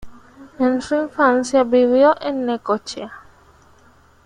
En su infancia vivió en Necochea.